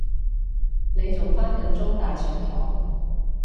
你仲返緊中大上堂？